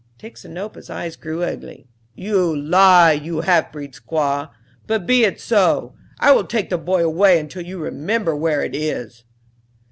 Tixinopa's eyes grew ugly. "You lie, you half breed squaw; but be it so, I will take the boy away until you remember where it is."